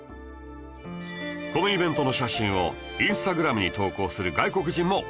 このイベントの写真をインスタグラムに投稿する外国人も多いんです